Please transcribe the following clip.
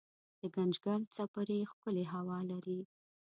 دګنجګل څپری ښکلې هوا لري